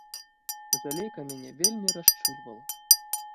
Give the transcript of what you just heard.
Жалейка мяне вельмі расчульвала.